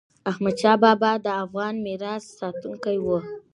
احمدشاه بابا د افغان میراث ساتونکی و.